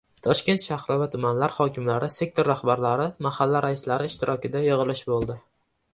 Toshkent shahri va tumanlar hokimlari, sektor rahbarlari, mahalla raislari ishtirokida yig‘ilish bo‘ldi